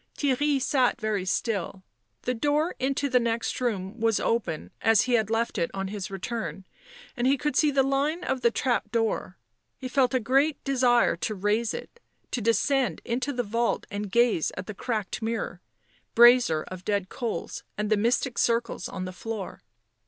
Theirry sat very still ; the door into the next room was open as he had left it on his return, and he could see the line of the trap door ; he felt a great desire to raise it, to descend into the vault and gaze at the cracked mirror, brazier of dead coals and the mystic circles on the floor.